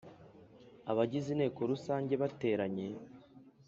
abagize Inteko Rusange bateranye